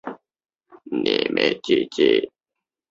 地名来自于古坟时代此地制作勾玉的玉作部。